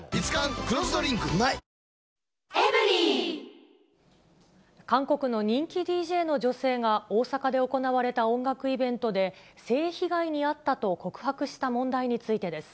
過去最大の補助金も韓国の人気ＤＪの女性が、大阪で行われた音楽イベントで、性被害に遭ったと告白した問題についてです。